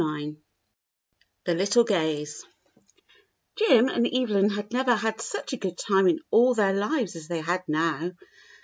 IX The Little Gays JIM and Evelyn had never had such a good time in all their lives as they had now.